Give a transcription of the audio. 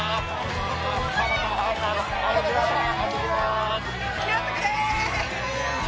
ありがとうございます。